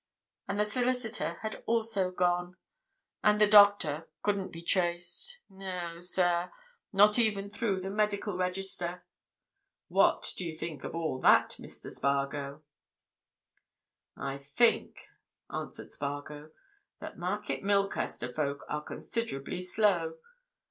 And the solicitor had also gone. And the doctor—couldn't be traced, no, sir, not even through the Medical Register. What do you think of all that, Mr. Spargo?" "I think," answered Spargo, "that Market Milcaster folk are considerably slow.